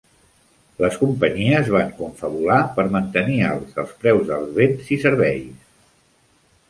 Les companyies van confabular per mantenir alts els preus dels béns i serveis.